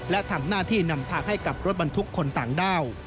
และทำหน้าที่นำทางให้กับรถบรรทุกคนต่างด้าว